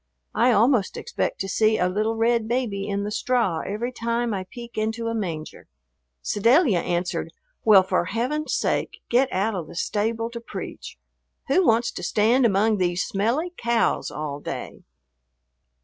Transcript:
I almost expect to see a little red baby in the straw every time I peek into a manger." Sedalia answered, "Well, for Heaven's sake, get out of the stable to preach. Who wants to stand among these smelly cows all day?"